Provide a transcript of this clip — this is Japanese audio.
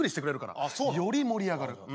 より盛り上がる！